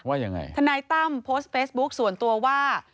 ว่ายังไงทนายตั้มโพสต์เฟซบุ๊คส่วนตัวว่า